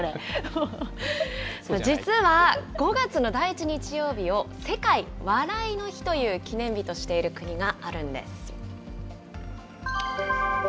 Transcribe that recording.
実は、５月の第１日曜日を世界笑いの日という記念日としている国があるんです。